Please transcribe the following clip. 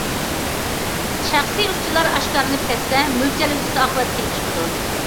شەخسىي ئۇچۇرلار ئاشكارىلىنىپ كەتسە مۆلچەرلىگۈسىز ئاقىۋەت كېلىپ چىقىدۇ.